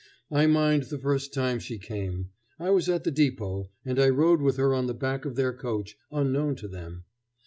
I mind the first time she came. I was at the depot, and I rode with her on the back of their coach, unknown to them.